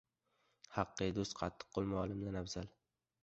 • Haqiqiy do‘st qattiqqo‘l muallimdan afzal.